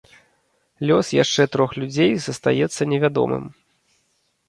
Лёс яшчэ трох людзей застаецца невядомым.